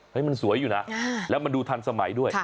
มันสวยอยู่นะแล้วมันดูทันสมัยด้วย